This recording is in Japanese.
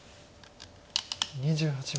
２８秒。